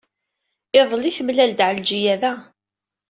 Iḍelli, temlal-d Ɛelǧiya da.